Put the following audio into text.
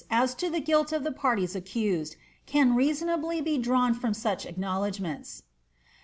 as to the guilt of the parties accused, can reasonably be drawn from such acknowledgments.